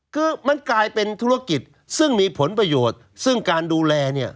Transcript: คือมันกลายเป็นธุรกิจซึ่งมีผลประโยชน์ซึ่งการดูแลเนี่ย